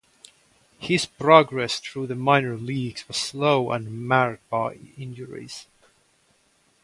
His progress through the minor leagues was slow and marred by injuries.